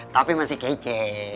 tapi masih kece